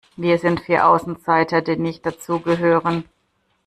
Wir sind vier Außenseiter, die nicht dazu gehören